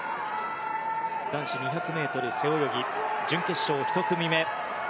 男子２００ｍ背泳ぎ準決勝１組目。